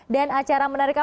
dan acara menariknya